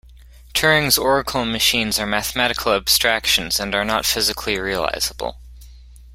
Turing's oracle machines are mathematical abstractions, and are not physically realizable.